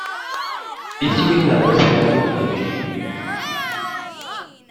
Iswi-nneɣ d asnerni n teqbaylit.